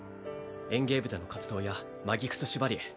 園芸部での活動やマギクス・シュバリエ